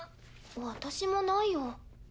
私もないよ。